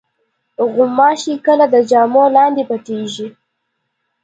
غوماشې کله د جامو لاندې پټېږي.